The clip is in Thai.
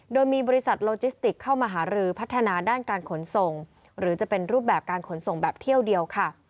โดยมีบริษัทโลจิสติกเข้ามาหารือพัฒนาด้านการขนส่งหรือจะเป็นรูปแบบการขนส่งแบบเที่ยวเดียวค่ะ